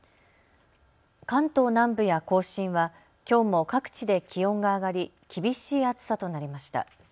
関東南部や甲信はきょうも各地で気温が上がり厳しい暑さとなりました。